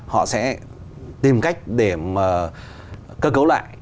họ sẽ tìm cách để cơ cấu lại